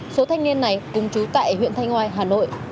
số thanh niên này cũng trú tại huyện thanh hoài hà nội